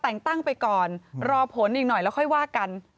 แต่งตั้งไปก่อนรอผลอีกหน่อยแล้วค่อยว่ากัน